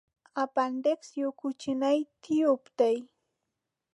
اپنډکس یو کوچنی تیوب دی.